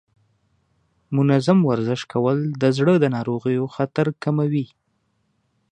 منظم ورزش کول د زړه ناروغیو خطر کموي.